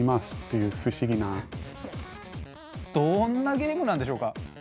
どんなゲームなんでしょうか？